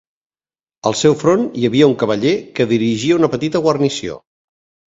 Al seu front, hi havia un cavaller, que dirigia una petita guarnició.